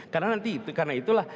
karena nanti karena itulah